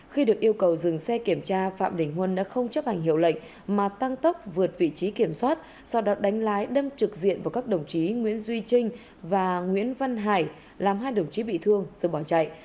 khi được yêu cầu dừng xe kiểm tra phạm đình huân đã không chấp hành hiệu lệnh mà tăng tốc vượt vị trí kiểm soát sau đó đánh lái đâm trực diện vào các đồng chí nguyễn duy trinh và nguyễn văn hải làm hai đồng chí bị thương rồi bỏ chạy